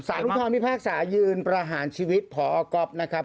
อุทธรพิพากษายืนประหารชีวิตพอก๊อฟนะครับ